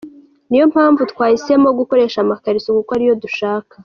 Niyo mpamvu twahisemo gukoresha amakariso kuko ariyo dushaka.